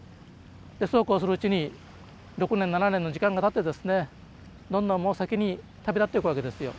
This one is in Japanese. でそうこうするうちに６年７年の時間がたってですねどんどんもう先に旅立っていくわけですよ。